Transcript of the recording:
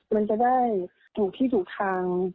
มันจะได้ถูกที่ถูกทาง